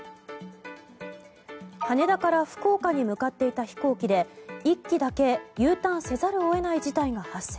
羽田から福岡に向かっていた飛行機で１機だけ、Ｕターンせざるを得ない事態が発生。